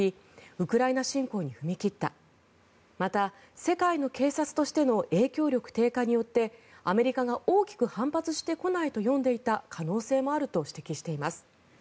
ウクライナ侵攻に踏み切ったまた、世界の警察としての影響力低下によってアメリカが大きく反発してこないと読んでいた可能性もあると指摘しています。